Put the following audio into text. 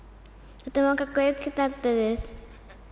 とてもかっこよかったです。